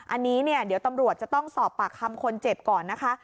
อันนี้เนี่ยเดี๋ยวตำรวจจะต้องสอบปากคำคนเจ็บก่อนนะคะ